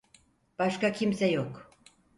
Başka kimse yok.